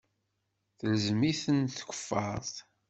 Telzem-itent tkeffart.